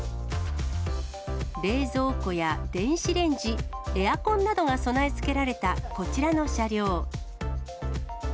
冷蔵庫や電子レンジ、エアコンなどが備え付けられたこちらの車両。